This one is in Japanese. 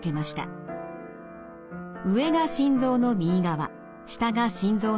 上が心臓の右側下が心臓の左側です。